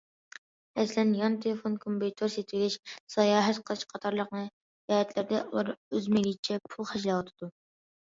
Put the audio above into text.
مەسىلەن: يان تېلېفون، كومپيۇتېر سېتىۋېلىش، ساياھەت قىلىش قاتارلىق جەھەتلەردە ئۇلار ئۆز مەيلىچە پۇل خەجلەۋاتىدۇ.